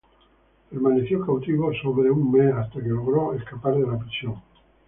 Permaneció cautivo alrededor de un mes hasta que logró escapar de la prisión.